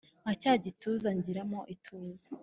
nka cya gituza ngiramo ituze